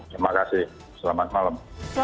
terima kasih selamat malam